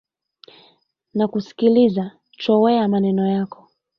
Nakusikiliza chowea maneno yako.